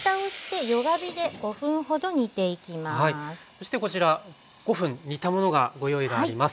そしてこちら５分煮たものがご用意があります。